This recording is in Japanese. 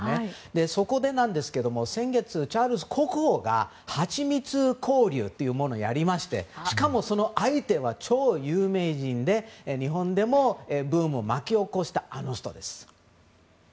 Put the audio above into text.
そこで、先月チャールズ国王がハチミツ交流というものをやりましてしかも、その相手は超有名人で日本でもブームを巻き起こしたあの人です。